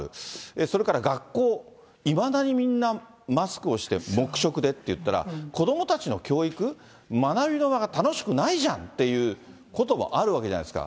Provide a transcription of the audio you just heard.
それから学校、いまだにみんなマスクをして、黙食でっていったら、子どもたちの教育、学びの場が楽しくないじゃんっていうこともあるわけじゃないですか。